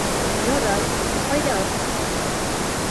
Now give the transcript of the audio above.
Ярай, ҡайҙа арҡан?